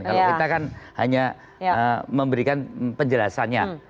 kalau kita kan hanya memberikan penjelasannya